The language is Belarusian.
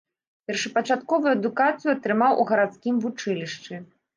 Першапачатковую адукацыю атрымаў у гарадскім вучылішчы.